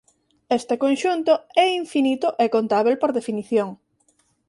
Este conxunto é infinito e contábel por definición.